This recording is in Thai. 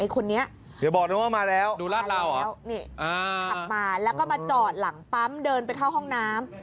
ขับมาแล้วก็มาจอดหลั่งปั๊มเดินไปเข้าห้องน้ำ